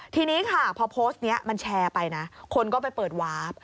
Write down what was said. ทีนี้ค่ะพอโพสต์นี้มันแชร์ไปนะคนก็ไปเปิดวาร์ฟ